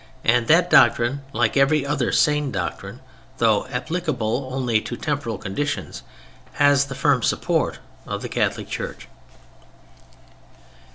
And that doctrine, like every other sane doctrine, though applicable only to temporal conditions, has the firm support of the Catholic Church.